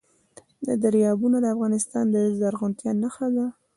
دریابونه د افغانستان د زرغونتیا نښه ده.